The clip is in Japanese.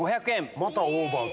またオーバーか。